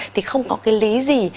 thì không có cái lý gì